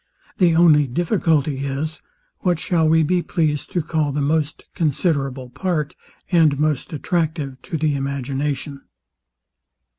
The only difficulty is, what we shall be pleased to call the most considerable part, and most attractive to the imagination.